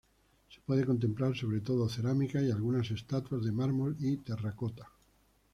Se puede contemplar sobre todo cerámica y algunas estatuas de mármol y terracota.